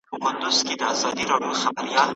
¬ چي په تمه د سپرو سي، هغه پاتي په مېرو سي.